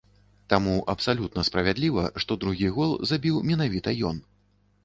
Таму абсалютна справядліва, што другі гол забіў менавіта ён.